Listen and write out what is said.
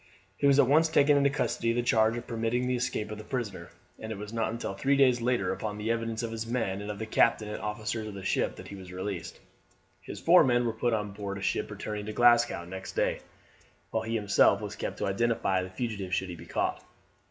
He was at once taken into custody on the charge of permitting the escape of his prisoner, and it was not until three days later, upon the evidence of his men and of the captain and officers of the ship, that he was released. His four men were put on board a ship returning to Glasgow next day, while he himself was kept to identify the fugitive should he be caught.